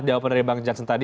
jawaban dari bang jansen tadi